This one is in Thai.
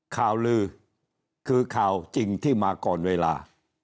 ข่าวลือคือข่าวจริงที่มาก่อนเวลา